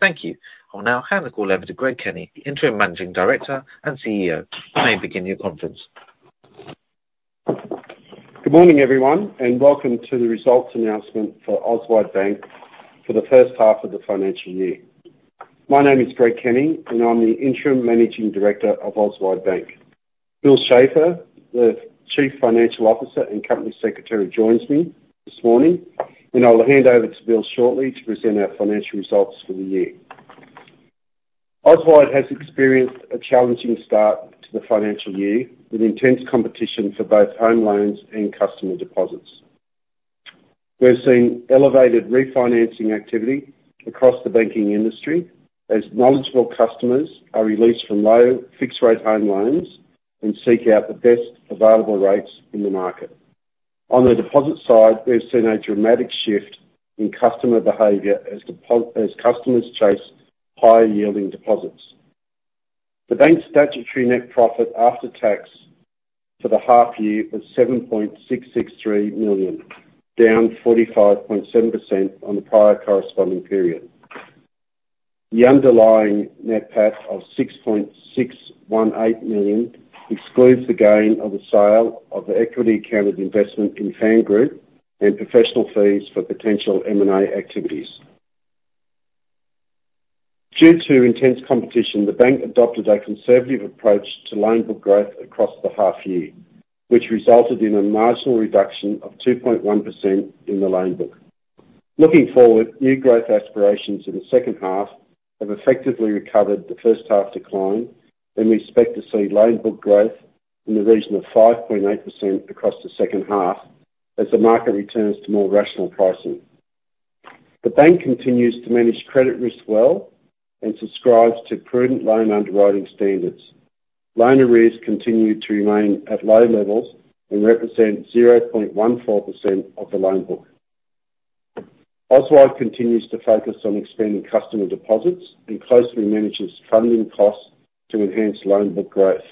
Thank you. I will now hand the call over to Greg Kenny, the Interim Managing Director and CEO. You may begin your conference. Good morning, everyone, and welcome to the results announcement for Auswide Bank for the first half of the financial year. My name is Greg Kenny, and I'm the Interim Managing Director of Auswide Bank. Bill Schafer, the Chief Financial Officer and Company Secretary, joins me this morning, and I will hand over to Bill shortly to present our financial results for the year. Auswide has experienced a challenging start to the financial year, with intense competition for both home loans and customer deposits. We've seen elevated refinancing activity across the banking industry, as knowledgeable customers are released from low fixed-rate home loans and seek out the best available rates in the market. On the deposit side, we've seen a dramatic shift in customer behavior as customers chase higher-yielding deposits. The bank's statutory net profit after tax for the half year was 7.663 million, down 45.7% on the prior corresponding period. The underlying net PAT of 6.618 million excludes the gain of the sale of the equity accounted investment in Fangroup and professional fees for potential M&A activities. Due to intense competition, the bank adopted a conservative approach to loan book growth across the half year, which resulted in a marginal reduction of 2.1% in the loan book. Looking forward, new growth aspirations in the second half have effectively recovered the first half decline, and we expect to see loan book growth in the region of 5.8% across the second half as the market returns to more rational pricing. The bank continues to manage credit risk well and subscribes to prudent loan underwriting standards. Loan arrears continue to remain at low levels and represent 0.14% of the loan book. Auswide continues to focus on expanding customer deposits and closely manages funding costs to enhance loan book growth.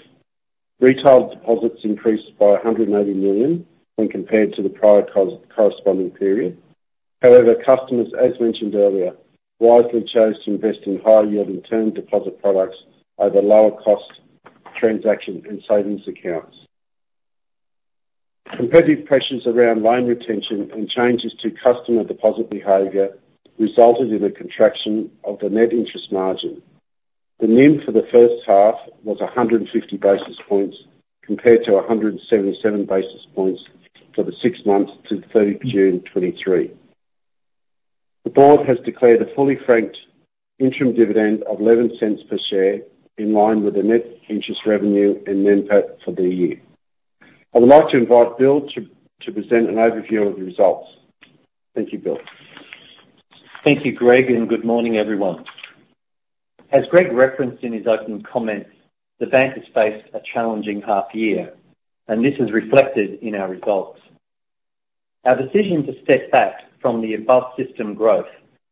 Retail deposits increased by 180 million when compared to the prior corresponding period. However, customers, as mentioned earlier, wisely chose to invest in higher-yielding term deposit products over lower-cost transaction and savings accounts. Competitive pressures around loan retention and changes to customer deposit behavior resulted in a contraction of the net interest margin. The NIM for the first half was 150 basis points, compared to 177 basis points for the six months to the 30th of June 2023. The board has declared a fully franked interim dividend of 0.11 per share, in line with the net interest revenue and NPAT for the year. I would like to invite Bill to present an overview of the results. Thank you, Bill. Thank you, Greg, and good morning, everyone. As Greg referenced in his opening comments, the bank has faced a challenging half year, and this is reflected in our results. Our decision to step back from the above-system growth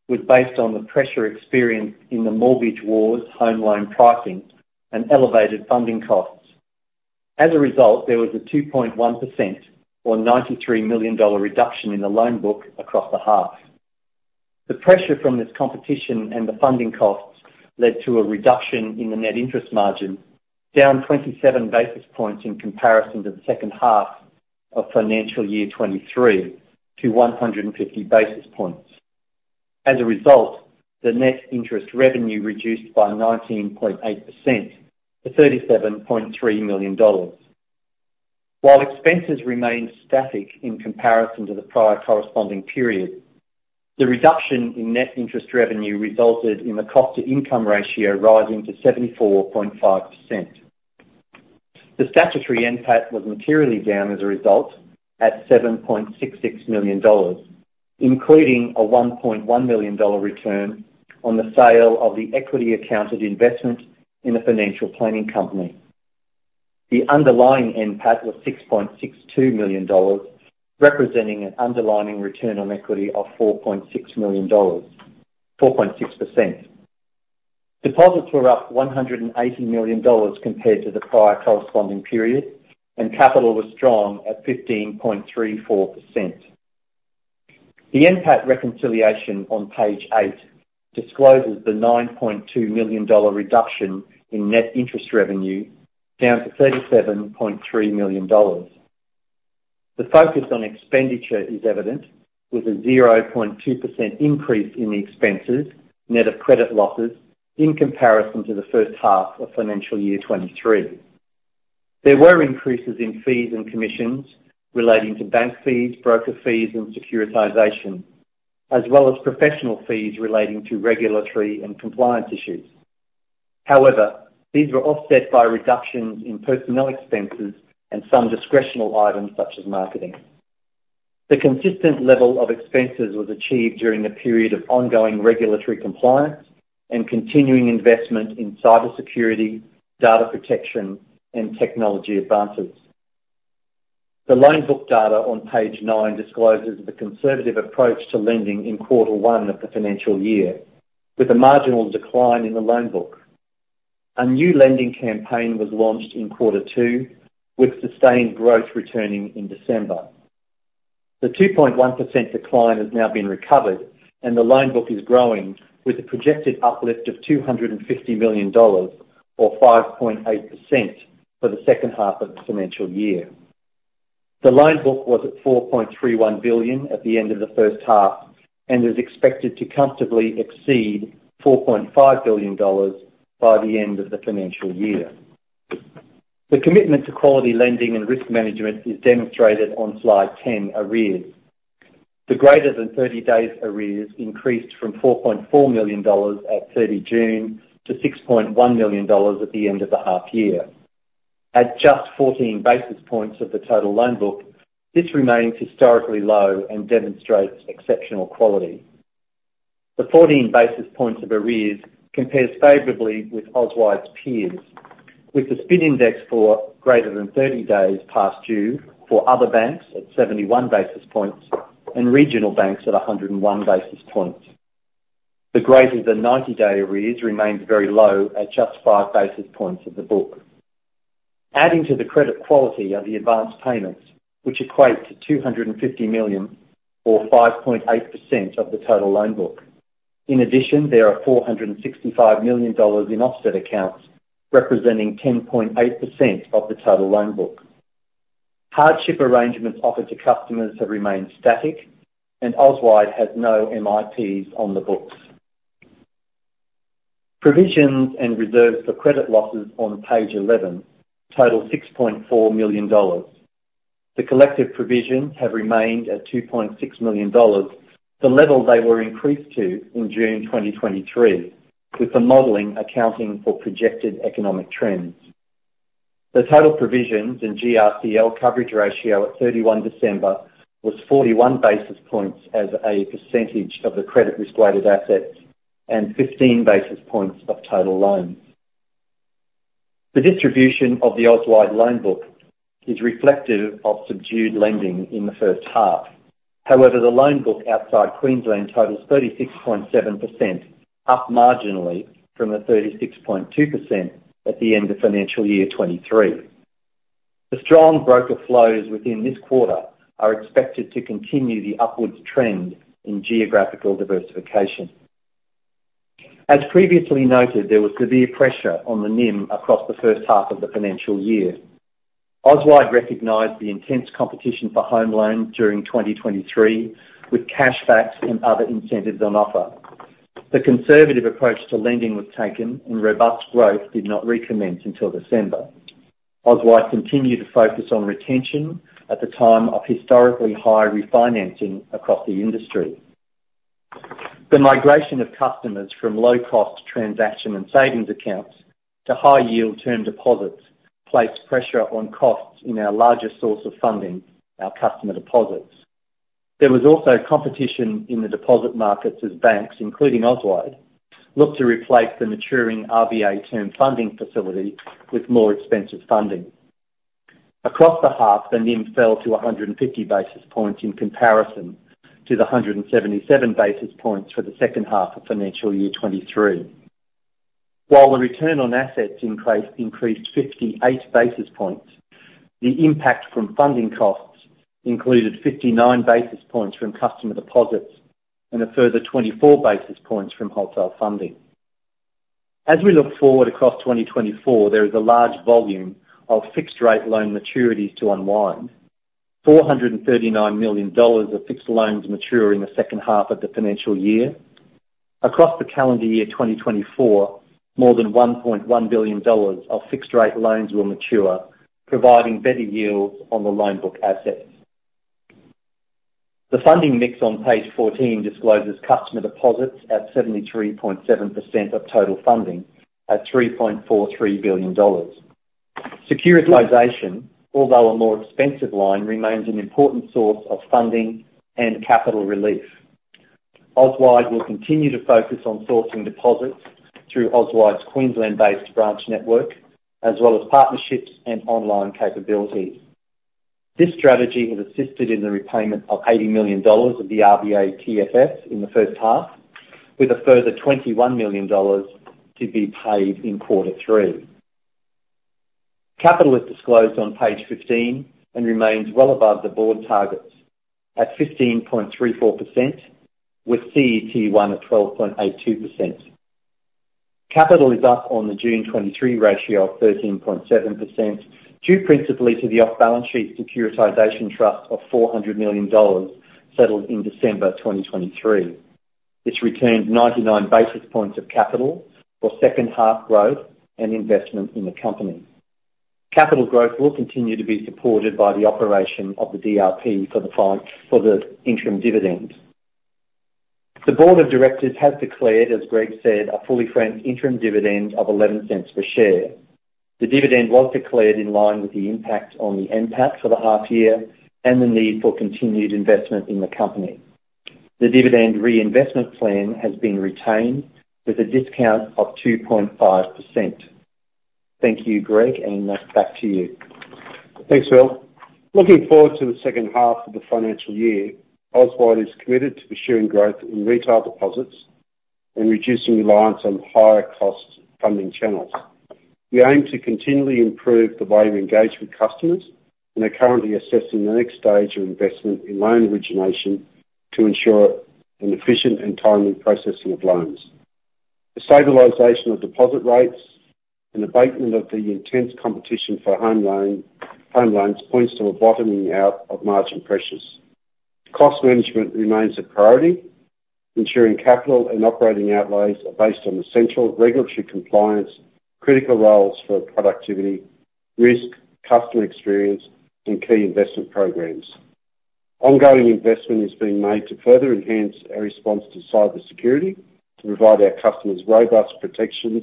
was based on the pressure experienced in the mortgage wars, home loan pricing, and elevated funding costs. As a result, there was a 2.1%, or 93 million dollar reduction in the loan book across the half. The pressure from this competition and the funding costs led to a reduction in the net interest margin, down 27 basis points in comparison to the second half of financial year 2023 to 150 basis points. As a result, the net interest revenue reduced by 19.8% to 37.3 million dollars. While expenses remained static in comparison to the prior corresponding period, the reduction in net interest revenue resulted in the cost-to-income ratio rising to 74.5%. The statutory NPAT was materially down as a result, at 7.66 million dollars, including a 1.1 million dollar return on the sale of the equity accounted investment in the financial planning company. The underlying NPAT was 6.62 million dollars, representing an underlying return on equity of 4.6 million dollars... 4.6%. Deposits were up 180 million dollars compared to the prior corresponding period, and capital was strong at 15.34%. The NPAT reconciliation on page 8 discloses the 9.2 million dollar reduction in net interest revenue, down to 37.3 million dollars. The focus on expenditure is evident, with a 0.2% increase in the expenses, net of credit losses, in comparison to the first half of financial year 2023. There were increases in fees and commissions relating to bank fees, broker fees, and securitization, as well as professional fees relating to regulatory and compliance issues. However, these were offset by reductions in personnel expenses and some discretionary items, such as marketing. The consistent level of expenses was achieved during the period of ongoing regulatory compliance and continuing investment in cybersecurity, data protection, and technology advances. The loan book data on page 9 discloses the conservative approach to lending in quarter one of the financial year, with a marginal decline in the loan book. A new lending campaign was launched in quarter two, with sustained growth returning in December. The 2.1% decline has now been recovered, and the loan book is growing with a projected uplift of 250 million dollars, or 5.8%, for the second half of the financial year. The loan book was at 4.31 billion at the end of the first half and is expected to comfortably exceed 4.5 billion dollars by the end of the financial year. The commitment to quality lending and risk management is demonstrated on Slide 10, Arrears. The greater than 30 days arrears increased from 4.4 million dollars at 30 June to 6.1 million dollars at the end of the half year. At just 14 basis points of the total loan book, this remains historically low and demonstrates exceptional quality. The 14 basis points of arrears compares favorably with Auswide's peers, with the SPIN index for greater than 30 days past due for other banks at 71 basis points and regional banks at 101 basis points. The greater than 90 day arrears remains very low at just 5 basis points of the book. Adding to the credit quality are the advanced payments, which equate to 250 million, or 5.8%, of the total loan book. In addition, there are 465 million dollars in offset accounts, representing 10.8% of the total loan book. Hardship arrangements offered to customers have remained static, and Auswide has no MIPs on the books. Provisions and reserves for credit losses on page 11 total 6.4 million dollars. The collective provisions have remained at 2.6 million dollars, the level they were increased to in June 2023, with the modeling accounting for projected economic trends. The total provisions and GRCL coverage ratio at 31 December was 41 basis points as a percentage of the credit-risk-weighted assets and 15 basis points of total loans. The distribution of the Auswide loan book is reflective of subdued lending in the first half. However, the loan book outside Queensland totals 36.7%, up marginally from the 36.2% at the end of financial year 2023. The strong broker flows within this quarter are expected to continue the upwards trend in geographical diversification. As previously noted, there was severe pressure on the NIM across the first half of the financial year. Auswide recognized the intense competition for home loans during 2023, with cashbacks and other incentives on offer. The conservative approach to lending was taken, and robust growth did not recommence until December. Auswide continued to focus on retention at the time of historically high refinancing across the industry. The migration of customers from low-cost transaction and savings accounts to high-yield term deposits placed pressure on costs in our largest source of funding, our customer deposits. There was also competition in the deposit markets as banks, including Auswide, looked to replace the maturing RBA Term Funding Facility with more expensive funding. Across the half, the NIM fell to 150 basis points in comparison to the 177 basis points for the second half of financial year 2023. While the return on assets increased 58 basis points, the impact from funding costs included 59 basis points from customer deposits and a further 24 basis points from wholesale funding. As we look forward across 2024, there is a large volume of fixed rate loan maturities to unwind. 439 million dollars of fixed loans mature in the second half of the financial year. Across the calendar year, 2024, more than AUD 1.1 billion of fixed rate loans will mature, providing better yields on the loan book assets. The funding mix on page 14 discloses customer deposits at 73.7% of total funding at 3.43 billion dollars. Securitization, although a more expensive line, remains an important source of funding and capital relief. Auswide will continue to focus on sourcing deposits through Auswide's Queensland-based branch network, as well as partnerships and online capabilities. This strategy has assisted in the repayment of 80 million dollars of the RBA TFF in the first half, with a further 21 million dollars to be paid in quarter three. Capital is disclosed on page 15 and remains well above the board targets at 15.34%, with CET1 at 12.82%. Capital is up on the June 2023 ratio of 13.7%, due principally to the off-balance sheet securitization trust of 400 million dollars, settled in December 2023. This retained 99 basis points of capital for second half growth and investment in the company. Capital growth will continue to be supported by the operation of the DRP for the interim dividend. The board of directors has declared, as Greg said, a fully franked interim dividend of 0.11 per share. The dividend was declared in line with the impact on the NPAT for the half year and the need for continued investment in the company. The dividend reinvestment plan has been retained with a discount of 2.5%. Thank you, Greg, and back to you. Thanks, Bill. Looking forward to the second half of the financial year, Auswide is committed to pursuing growth in retail deposits and reducing reliance on higher cost funding channels. We aim to continually improve the way we engage with customers, and are currently assessing the next stage of investment in loan origination to ensure an efficient and timely processing of loans. The stabilization of deposit rates and abatement of the intense competition for home loans points to a bottoming out of margin pressures. Cost management remains a priority, ensuring capital and operating outlays are based on essential regulatory compliance, critical roles for productivity, risk, customer experience, and key investment programs. Ongoing investment is being made to further enhance our response to cybersecurity, to provide our customers robust protections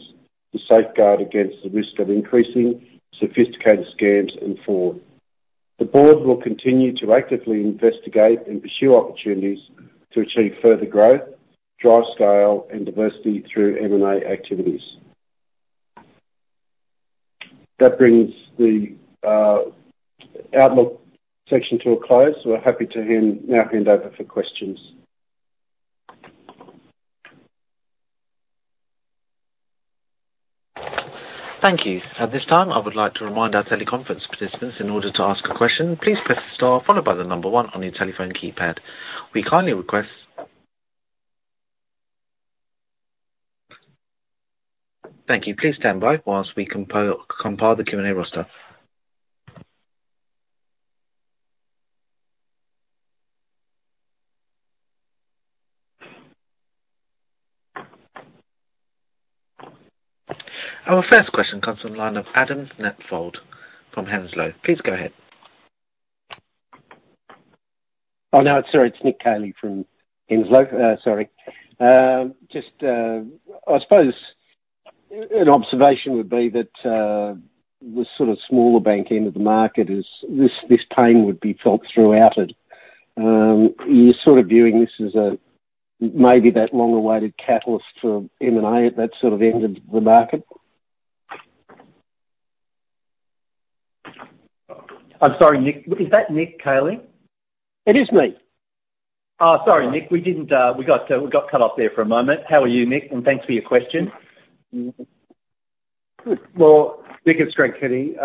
to safeguard against the risk of increasing sophisticated scams and fraud. The board will continue to actively investigate and pursue opportunities to achieve further growth, drive scale, and diversity through M&A activities. That brings the outlook section to a close. We're happy to hand over for questions. Thank you. At this time, I would like to remind our teleconference participants, in order to ask a question, please press star followed by the number one on your telephone keypad. We kindly request... Thank you. Please stand by while we compile the Q&A roster. Our first question comes from the line of Adam Hatfield from Henslow. Please go ahead. Oh, no, sorry, it's Nick Caley from Henslow. I suppose an observation would be that the sort of smaller bank end of the market is... This, this time would be felt throughout it. You're sort of viewing this as a, maybe that long-awaited catalyst for M&A at that sort of end of the market? I'm sorry, Nick. Is that Nick Caley? It is me. Oh, sorry, Nick. We didn't, we got cut off there for a moment. How are you, Nick? Thanks for your question. Mm-hmm. Well, Nick, it's Greg Kenny.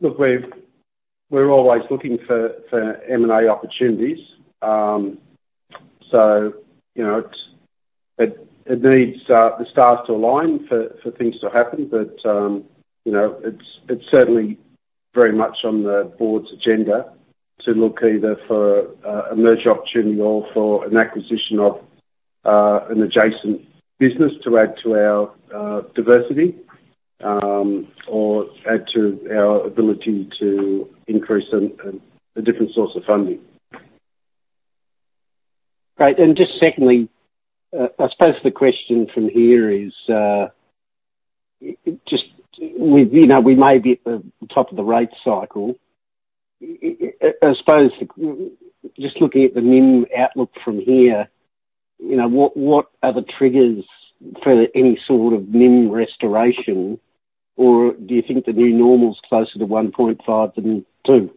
Look, we're always looking for M&A opportunities. So you know, it needs the stars to align for things to happen. But you know, it's certainly very much on the board's agenda to look either for a merger opportunity or for an acquisition of an adjacent business to add to our diversity or add to our ability to increase on a different source of funding. Great. And just secondly, I suppose the question from here is, just with, you know, we may be at the top of the rate cycle, I suppose, just looking at the NIM outlook from here, you know, what are the triggers for any sort of NIM restoration, or do you think the new normal is closer to 1.5 than 2?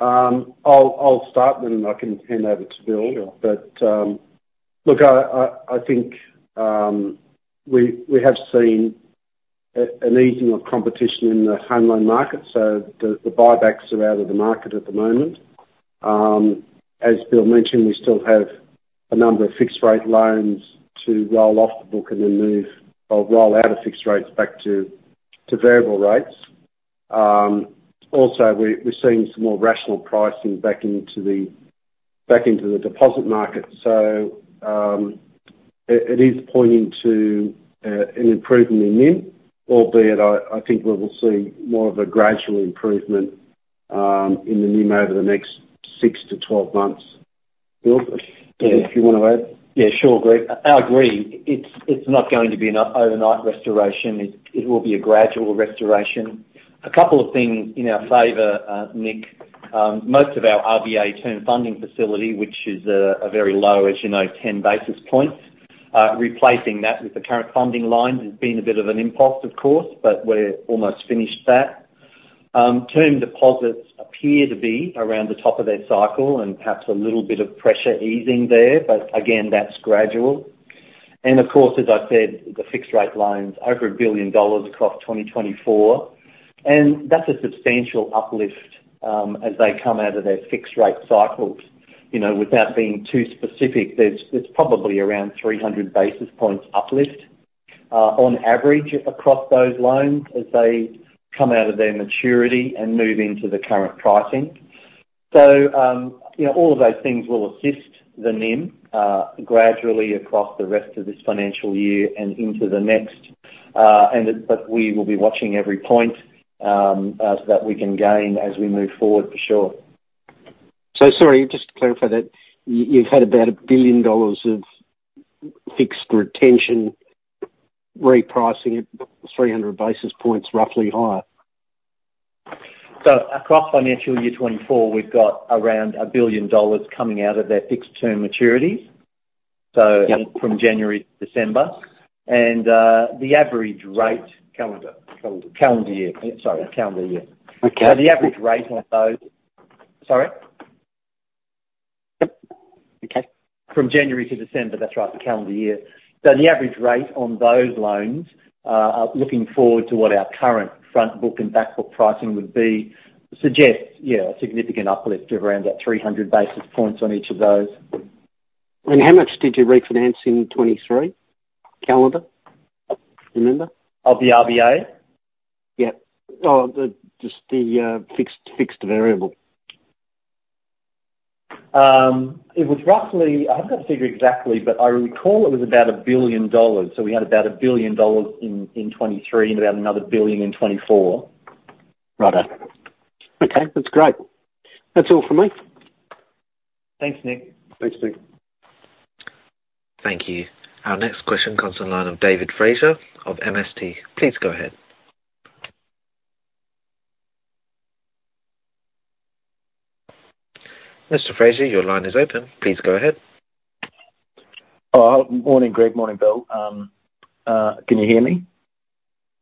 I'll start then, and I can hand over to Bill. But, look, I think we have seen an easing of competition in the home loan market, so the buybacks are out of the market at the moment. As Bill mentioned, we still have a number of fixed-rate loans to roll off the book and then move or roll out of fixed rates back to variable rates. Also, we're seeing some more rational pricing back into the deposit market. So, it is pointing to an improvement in NIM, albeit, I think we will see more of a gradual improvement in the NIM over the next 6-12 months. Bill, if you want to add? Yeah, sure, Greg. I agree. It's not going to be an overnight restoration. It will be a gradual restoration. A couple of things in our favor, Nick, most of our RBA term funding facility, which is a very low, as you know, 10 basis points, replacing that with the current funding lines has been a bit of an impulse, of course, but we're almost finished that. Term deposits appear to be around the top of their cycle and perhaps a little bit of pressure easing there, but again, that's gradual. And of course, as I said, the fixed-rate loans, over 1 billion dollars across 2024, and that's a substantial uplift, as they come out of their fixed-rate cycles. You know, without being too specific, there's probably around 300 basis points uplift on average across those loans as they come out of their maturity and move into the current pricing. So, you know, all of those things will assist the NIM gradually across the rest of this financial year and into the next. But we will be watching every point that we can gain as we move forward for sure. So sorry, just to clarify that, you, you've had about 1 billion dollars of fixed retention repricing it 300 basis points, roughly higher? So across financial year 2024, we've got around 1 billion dollars coming out of their fixed-term maturities. So from January to December, and the average rate, calendar? Calendar. Calendar year. Sorry, calendar year. Okay. The average rate on those. Sorry? Okay. From January to December, that's right, the calendar year. So the average rate on those loans are looking forward to what our current front book and back book pricing would be, suggests, yeah, a significant uplift of around about 300 basis points on each of those. How much did you refinance in 2023, calendar? Do you remember? Of the RBA? Yeah. Just the fixed variable. It was roughly... I haven't got a figure exactly, but I recall it was about 1 billion dollars. So we had about 1 billion dollars in 2023, and about another 1 billion in 2024. Right. Okay, that's great. That's all for me. Thanks, Nick. Thanks, Nick. Thank you. Our next question comes on the line of David Fraser of MST. Please go ahead. Mr. Fraser, your line is open. Please go ahead. Oh, morning, Greg. Morning, Bill. Can you hear me?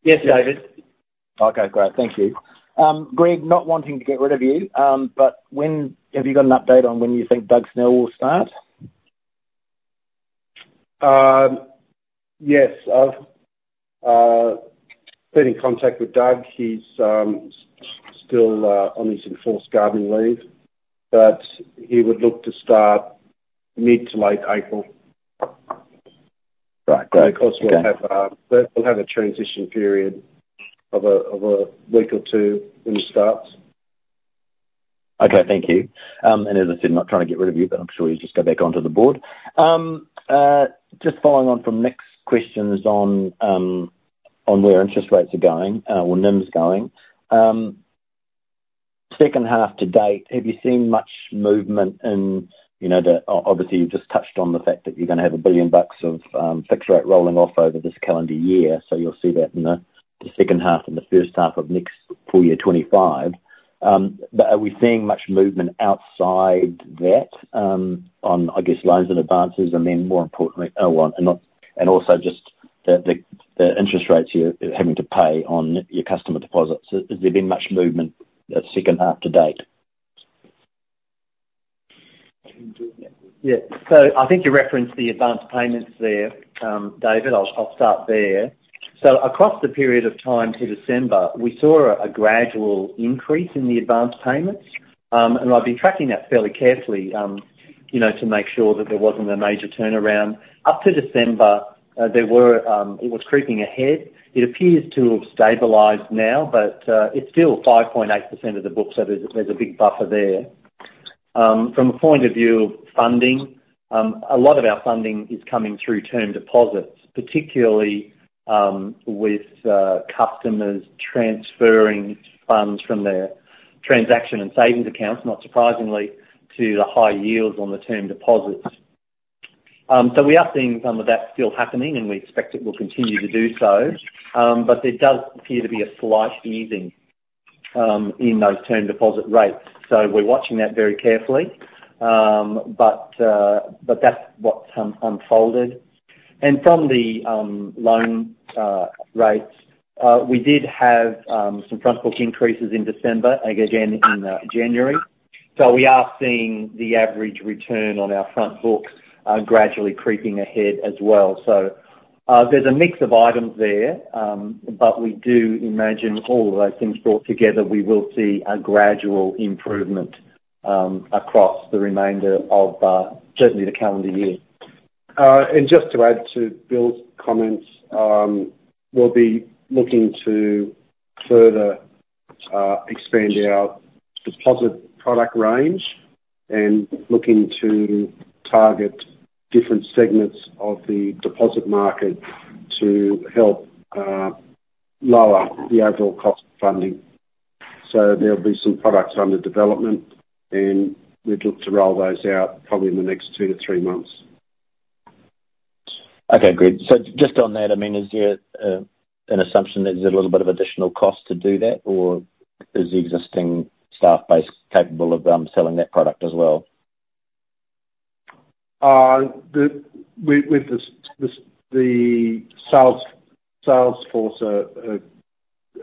Yes, David. Okay, great. Thank you. Greg, not wanting to get rid of you, but when have you got an update on when you think Doug Snell will start? Yes, I've been in contact with Doug. He's still on his enforced garden leave, but he would look to start mid to late April. Right. Great. Of course, we'll have a transition period of a week or two when he starts. Okay, thank you. And as I said, not trying to get rid of you, but I'm sure you'll just go back onto the board. Just following on from Nick's questions on where interest rates are going, or NIM's going, second half to date, have you seen much movement in, you know, obviously, you've just touched on the fact that you're going to have 1 billion bucks of fixed rate rolling off over this calendar year, so you'll see that in the second half and the first half of next full year, 2025. But are we seeing much movement outside that, on, I guess, loans and advances, and then more importantly, and also just the interest rates you're having to pay on your customer deposits? Has there been much movement that second half to date? Yeah. So I think you referenced the advanced payments there, David. I'll start there. So across the period of time to December, we saw a gradual increase in the advanced payments, and I've been tracking that fairly carefully, you know, to make sure that there wasn't a major turnaround. Up to December, it was creeping ahead. It appears to have stabilized now, but it's still 5.8% of the book, so there's a big buffer there. From a point of view of funding, a lot of our funding is coming through term deposits, particularly with customers transferring funds from their transaction and savings accounts, not surprisingly, to the high yields on the term deposits. So we are seeing some of that still happening, and we expect it will continue to do so, but there does appear to be a slight easing in those term deposit rates. So we're watching that very carefully, but that's what's unfolded. And from the loan rates, we did have some front book increases in December and again in January. So we are seeing the average return on our front book gradually creeping ahead as well. So there's a mix of items there, but we do imagine all of those things brought together, we will see a gradual improvement across the remainder of, certainly, the calendar year. Just to add to Bill's comments, we'll be looking to further expand our deposit product range and looking to target different segments of the deposit market to help lower the overall cost of funding. So there'll be some products under development, and we'll look to roll those out probably in the next 2-3 months. Okay, great. So just on that, I mean, is there an assumption there's a little bit of additional cost to do that, or is the existing staff base capable of selling that product as well? With the sales force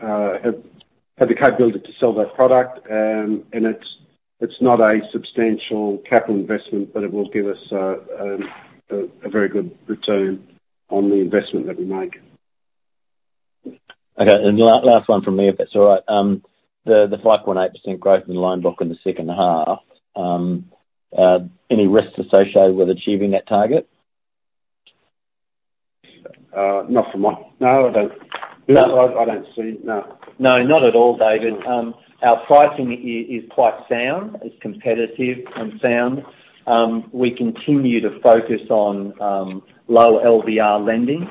have the capability to sell that product, and it's not a substantial capital investment, but it will give us a very good return on the investment that we make. Okay, and last one from me, if that's all right. The 5.8% growth in the loan book in the second half, any risks associated with achieving that target? No, I don't. I, I don't see. No. No, not at all, David. Our pricing is quite sound. It's competitive and sound. We continue to focus on low LVR lending.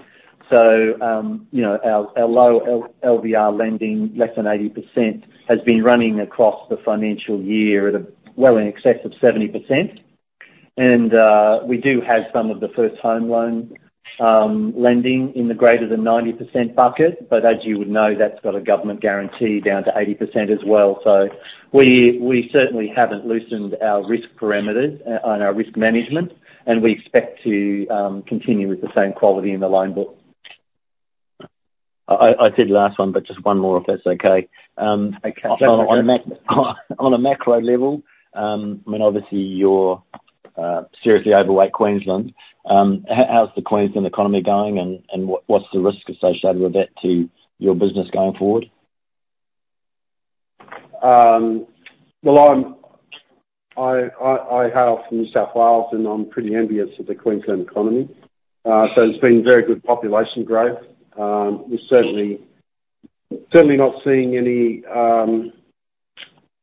So, you know, our low LVR lending, less than 80%, has been running across the financial year at a well in excess of 70%. And we do have some of the first home loan lending in the greater than 90% bucket, but as you would know, that's got a government guarantee down to 80% as well. So we certainly haven't loosened our risk parameters on our risk management, and we expect to continue with the same quality in the loan book. I said the last one, but just one more, if that's okay. Okay. On a macro level, I mean, obviously, you're seriously overweight Queensland. How's the Queensland economy going, and what's the risk associated with that to your business going forward? Well, I hail from New South Wales, and I'm pretty envious of the Queensland economy. So it's been very good population growth. We're certainly not seeing any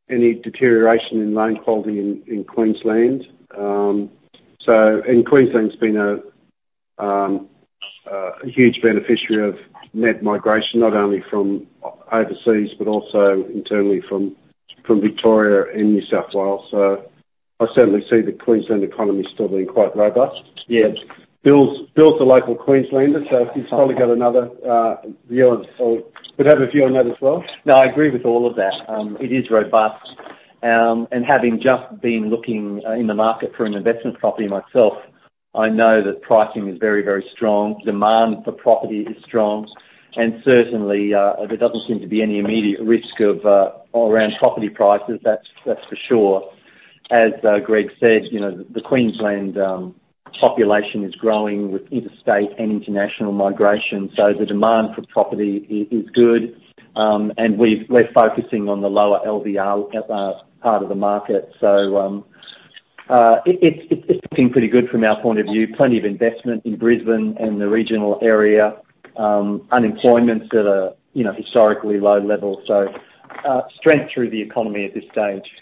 deterioration in loan quality in Queensland. So and Queensland's been a huge beneficiary of net migration, not only from overseas, but also internally from Victoria and New South Wales. So I certainly see the Queensland economy still being quite robust. Yeah. Bill's, Bill's a local Queenslander, so he's probably got another view on it. So could have a view on that as well? No, I agree with all of that. It is robust, and having just been looking in the market for an investment property myself, I know that pricing is very, very strong. Demand for property is strong, and certainly there doesn't seem to be any immediate risk of around property prices, that's for sure. As Greg said, you know, the Queensland population is growing with interstate and international migration, so the demand for property is good. And we're focusing on the lower LVR part of the market. So, it's looking pretty good from our point of view. Plenty of investment in Brisbane and the regional area. Unemployment's at a historically low level, you know, so strength through the economy at this stage.